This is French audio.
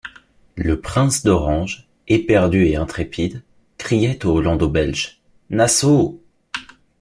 Le prince d’Orange, éperdu et intrépide, criait aux hollando-belges: Nassau!